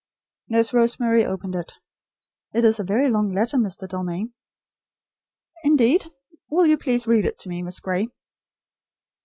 Nurse Rosemary opened it. "It is a very long letter, Mr. Dalmain." "Indeed? Will you please read it to me, Miss Gray."